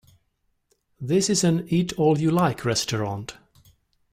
This is an Eat All You Like restaurant.